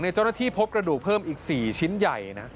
เจ้าหน้าที่พบกระดูกเพิ่มอีก๔ชิ้นใหญ่นะ